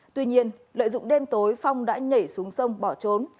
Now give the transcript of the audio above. tuy nhiên lợi dụng đêm tối phong đã nhảy xuống sông bỏ trốn